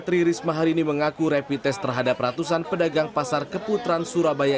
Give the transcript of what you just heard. tririsma hari ini mengaku repites terhadap ratusan pedagang pasar keputaran surabaya